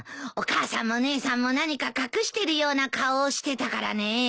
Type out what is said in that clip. お母さんも姉さんも何か隠してるような顔をしてたからね。